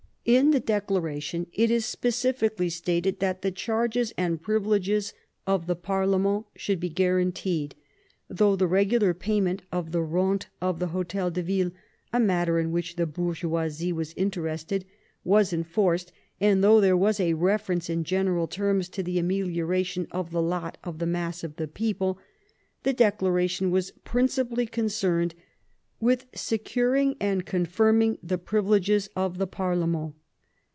In the Declaration it is specially stated that the charges and privileges of the parlement should be guaranteed. Though the regular payment of the rentes of the H6tel de Ville — a matter in which the bourgeoisie was interested — was enforced, and though there was a reference in general terms to the amelioration of the lot of the mass of the people, the Declaration was principally concerned with securing and confirming the privileges of the parlement.